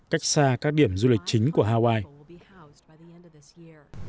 cách xa các điểm du lịch chính của hawaii